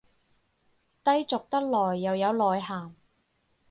低俗得來又有內涵